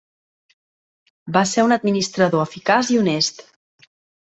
Va ser un administrador eficaç i honest.